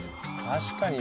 確かに。